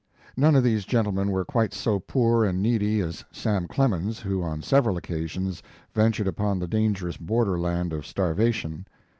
None of these gentlemen were quite so poor and needy as Sam Clemens, who on several occa sions ventured upon the dangerous border land of starvation.